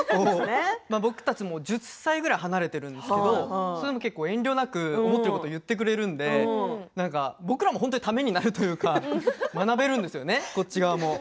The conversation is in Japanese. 僕たちも１０歳くらい離れているんですけど遠慮なく思ったことを言ってくれるので僕らもためになるというか学べるんですよね、こっち側も。